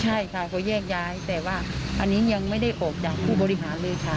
ใช่ค่ะค่ะเขาจะเเยอะอย่างอย่างแต่ว่าอันนี้ยังไม่ได้อบจากผู้บริหารเลยค่ะ